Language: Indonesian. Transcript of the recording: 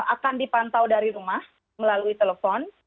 akan dipantau dari rumah melalui telepon